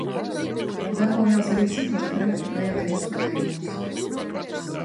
Darbojās arī citos Brehta – Veila iestudējumos.